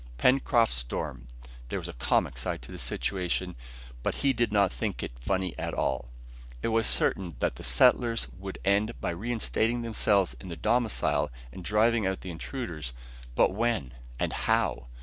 Pencroft stormed. There was a comic side to the situation, but he did not think it funny at all. It was certain that the settlers would end by reinstating themselves in their domicile and driving out the intruders, but when and how?